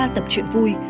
ba tập chuyện vui